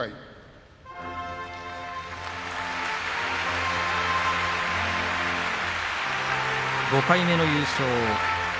拍手５回目の優勝。